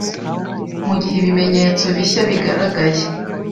Mugihe ibimenyetso bishya bigaragaye